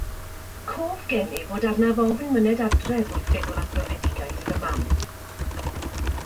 Cof gennyf fod arnaf ofn myned adref wrth feddwl am brofedigaeth fy mam.